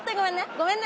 ごめんね。